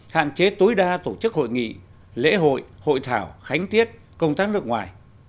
hạn chế tối đa tổ chức hội nghị lễ hội hội thảo khánh tiết công tác nước ngoài